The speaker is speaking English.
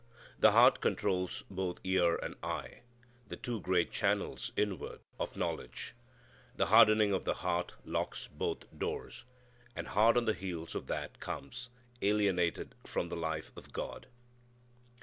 The heart controls both ear and eye, the two great channels inward of knowledge. The hardening of the heart locks both doors. And hard on the heels of that comes "Alienated from the life of God."